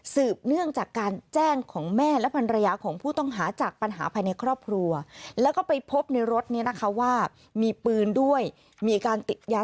นี่คือติดงมงำเลยเขาใช้คำนี้นะคะ